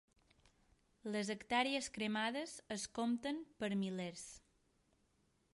Les hectàrees cremades es compten per milers.